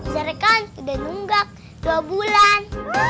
zara kan udah nunggak dua bulan